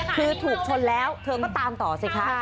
คือถูกชนแล้วเธอก็ตามต่อสิคะ